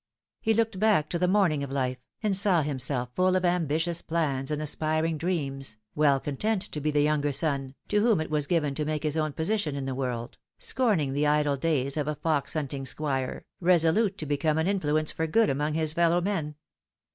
He looked back to the morning of life, and saw himself full of ambitious plans and aspiring dreams, well content to be the younger son, to whom it was given to make his own position in the world, scorning the idle days of a fox hunting squire, reso lute to become an influence for good among his fellow men.